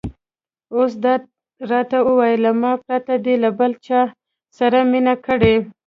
اوس دا راته ووایه، له ما پرته دې له بل چا سره مینه کړې؟